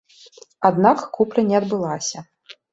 Аднак купля не адбылася.